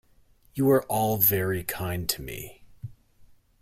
You are all very kind to me.